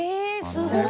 すごい。